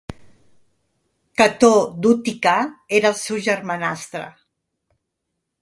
Cató d'Útica era el seu germanastre.